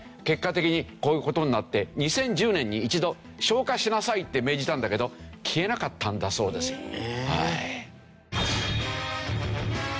結果的にこういう事になって２０１０年に一度消火しなさいって命じたんだけど消えなかったんだそうですよ。